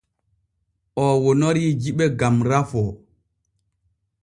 Oo wonorii jiɓe gam rafoo.